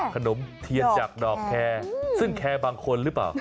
ขนมเทียนจากดอกแคร์ซึ่งแคร์บางคนหรือเปล่า